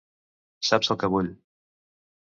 Saps el que vull.